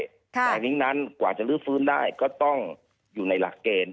แต่ทั้งนั้นกว่าจะลื้อฟื้นได้ก็ต้องอยู่ในหลักเกณฑ์